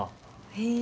へえ。